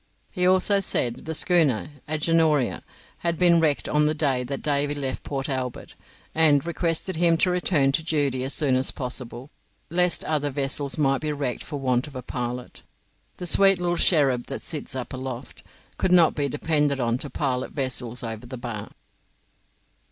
He also said the schooner 'Agenoria' had been wrecked on the day that Davy left Port Albert, and requested him to return to duty as soon as possible, lest other vessels might be wrecked for want of a pilot. "The sweet little cherub that sits up aloft" could not be depended on to pilot vessels over the bar.